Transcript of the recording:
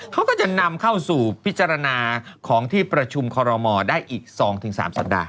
เขาก็จะนำเข้าสู่พิจารณาของที่ประชุมคอรมอลได้อีก๒๓สัปดาห